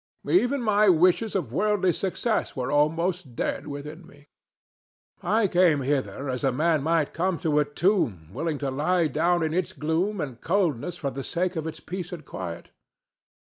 Even my wishes of worldly success were almost dead within me. I came hither as a man might come to a tomb willing to lie down in its gloom and coldness for the sake of its peace and quiet.